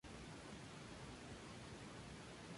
Mika Sakamoto es lancer rojo y líder de los Triple Lancer.